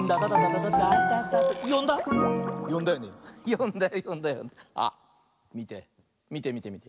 よんだよよんだよよんだよ。あっみてみてみてみて。